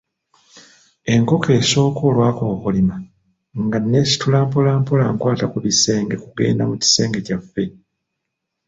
Enkoko esooka olwakookolima nga neesitula mpolampola nkwata ku bisenge kugenda mu kisenge kyaffe.